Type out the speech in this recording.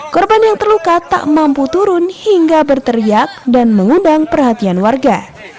korban yang terluka tak mampu turun hingga berteriak dan mengundang perhatian warga